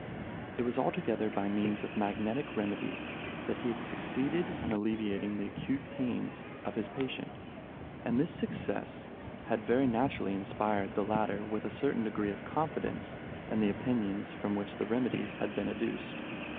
It was altogether by means of magnetic remedies that he had succeeded in alleviating the acute pains of his patient; and this success had very naturally inspired the latter with a certain degree of confidence in the opinions from which the remedies had been educed.